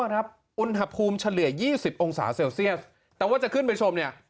ครับอุณหภูมิเฉลี่ย๒๐องศาเซลเซียสแต่ว่าจะขึ้นไปชมเนี่ย